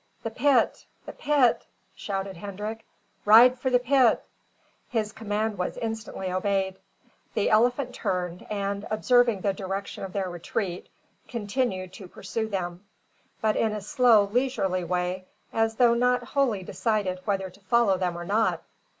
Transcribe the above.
"The pit! the pit!" shouted Hendrik. "Ride for the pit!" His command was instantly obeyed. The elephant turned, and, observing the direction of their retreat, continued to pursue them; but in a slow, leisurely way, as though not wholly decided whether to follow them or not.